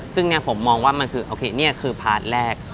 ซึ่งผมมองว่ามันคือโอเคนี่คือพาร์ทแรก